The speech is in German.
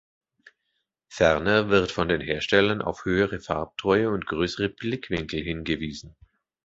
Ferner wird von den Herstellern auf höhere Farbtreue und größere Blickwinkel hingewiesen.